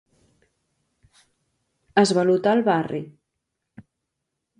Esvalotar el barri.